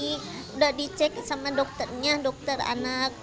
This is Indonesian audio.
sudah dicek sama dokternya dokter anak